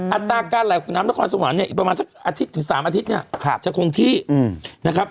อัตราการไหลของน้ำนครสวรรค์เนี่ยอีกประมาณสักอาทิตย์ถึง๓อาทิตย์เนี่ยจะคงที่นะครับ